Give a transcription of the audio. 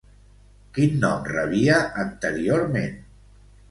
Quin nom rebia anteriorment?